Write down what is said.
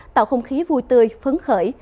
tạo không khí vui tươi phấn khởi